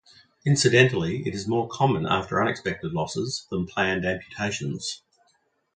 Incidentally, it is more common after unexpected losses than planned amputations.